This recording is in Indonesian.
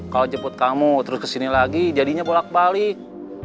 kalau jemput kamu terus kesini lagi jadinya bolak balik